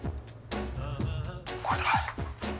「これだ。